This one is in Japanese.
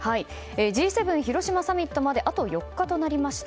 Ｇ７広島サミットまであと４日となりました。